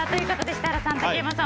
設楽さん、竹山さん